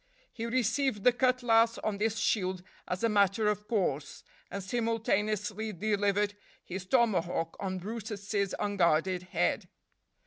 He received the cutlass on this shield as a matter of course, and simultaneously delivered his tomahawk on brutus's unguarded head.